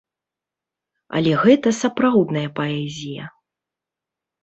Але гэта сапраўдная паэзія.